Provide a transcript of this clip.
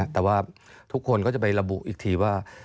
แต่ว่าทุกคนก็จะไประบุอีกทีว่า